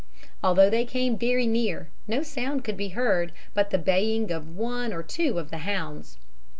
Although they came very near, no sound could be heard but the baying of one or two of the hounds.